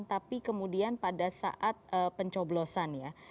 tapi kemudian pada saat pencoblosan ya